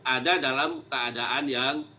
ada dalam keadaan yang